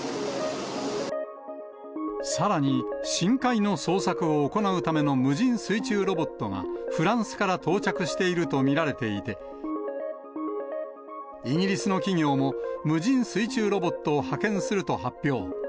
さらに深海の捜索を行うための無人水中ロボットが、フランスから到着していると見られていて、イギリスの企業も無人水中ロボットを派遣すると発表。